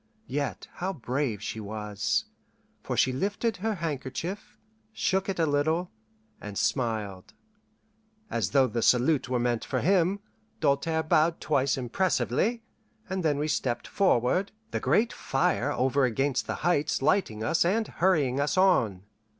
Yet how brave she was, for she lifted her handkerchief, shook it a little, and smiled. As though the salute were meant for him, Doltaire bowed twice impressively, and then we stepped forward, the great fire over against the Heights lighting us and hurrying us on.